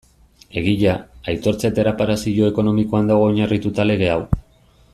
Egia, aitortza eta erreparazio ekonomikoan dago oinarrituta lege hau.